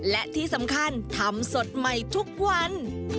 และที่สำคัญทำสดใหม่ทุกวัน